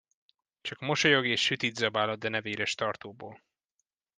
Csak mosolyog és sütit zabál a denevéres tartóból.